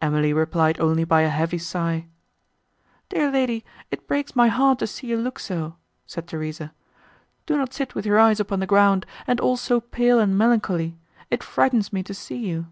Emily replied only by a heavy sigh. "Dear lady, it breaks my heart to see you look so," said Theresa, "do not sit with your eyes upon the ground, and all so pale and melancholy; it frightens me to see you."